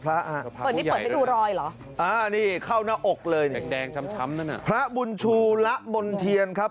พระผู้ใหญ่เลยนะครับอ๋อนี่เข้าหน้าอกเลยพระบุญชูละมนเทียนครับ